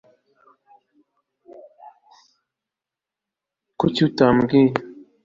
kuki utambwira